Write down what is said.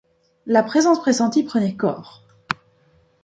La présence pressentie prenait corps.